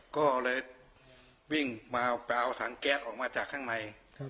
ก็เลยวิ่งมาปลาเอาถังแก๊สออกมาจากข้างใน